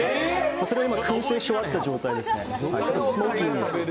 それは今、くん製し終わった状態ですね。